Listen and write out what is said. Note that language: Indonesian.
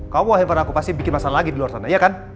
kamu akhirnya pasti bikin masalah lagi di luar sana ya kan